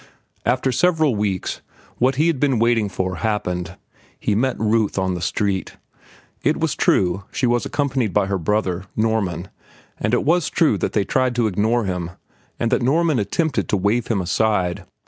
After several weeks, what he had been waiting for happened. He met Ruth on the street. It was true, she was accompanied by her brother, Norman, and it was true that they tried to ignore him and that Norman attempted to wave him aside.